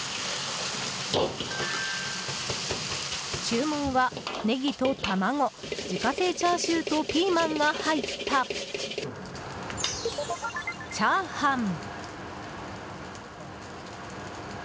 注文は、ネギと卵自家製チャーシューとピーマンが入ったチャーハン。